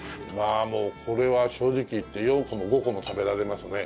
あもうこれは正直言って４個も５個も食べられますね。